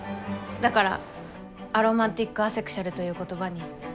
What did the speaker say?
だからアロマンティックアセクシュアルという言葉に。